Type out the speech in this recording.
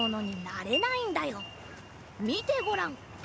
みてごらん！